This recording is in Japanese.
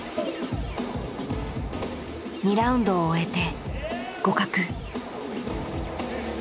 ２ラウンドを終えて互角。